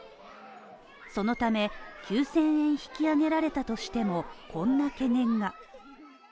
そのため、９０００円引き上げられたとしても、こんな懸念が。